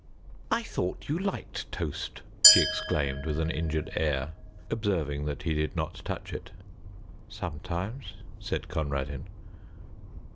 "I thought you liked toast," she exclaimed, with an injured air, observing that he did not touch it. "Sometimes," said Conradin.